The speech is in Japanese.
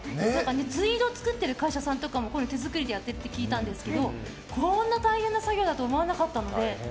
ツイード作ってる会社さんとかも手作りでやってるって聞いたんですけどこんな大変な作業だとは知らなかったので。